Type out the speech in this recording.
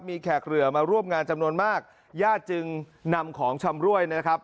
มีแขกเรือมาร่วมงานจำนวนมากญาติจึงนำของชำรวยนะครับ